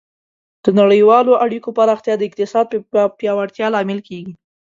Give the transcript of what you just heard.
د نړیوالو اړیکو پراختیا د اقتصاد پیاوړتیا لامل کیږي.